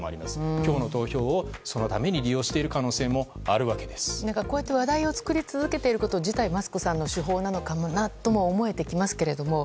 今日の投票をそのために利用している可能性も話題を作り続けていることもマスクさんの手法なのかなと思えてきますが。